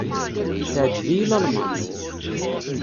Teɛǧeb-iyi Lalman.